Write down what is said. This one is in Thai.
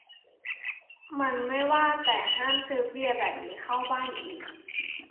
มันไม่ว่า แต่ห้ามซื้อเบียร์แบบนี้เข้าบ้านอีก